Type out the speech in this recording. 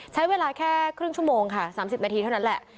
ใช้เวลาแค่ครึ่งชั่วโมงค่ะ๓๐นาทีเท่านั้นแหละ